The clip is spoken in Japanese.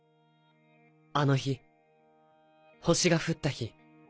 あの日星が降った日。